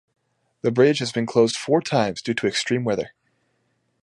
The bridge has been closed four times due to extreme weather.